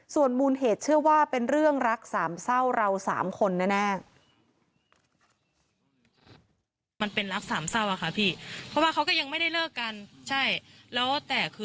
ส่วนมูลเหตุเชื่อว่าเป็นเรื่องรักสามเศร้าเราสามคนแน่